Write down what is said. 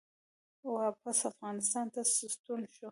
واپس افغانستان ته ستون شو